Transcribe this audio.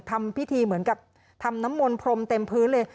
ทำพิธีเหมือนกับทำน้ำมนต์พรมเต็มพื้นเลย